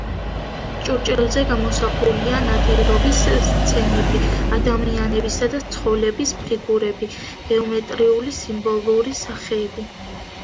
ჭურჭელზე გამოსახულია ნადირობის სცენები, ადამიანებისა და ცხოველების ფიგურები, გეომეტრიული სიმბოლური სახეები.